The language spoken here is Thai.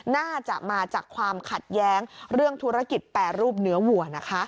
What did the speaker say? น่าจะมาจากความขัดแย้งเรื่องธุรกิจแปรรูปเนื้อวัวนะคะ